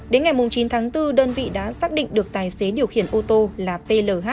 đến ngày chín tháng bốn đơn vị đã xác định được tài xế điều khiển ô tô là pl